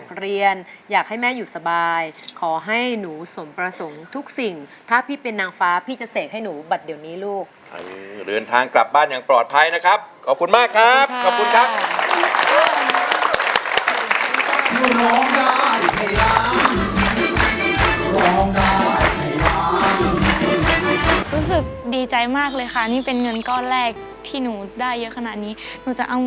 มีสิทธิ์ใช้ได้อีก๒แผ่น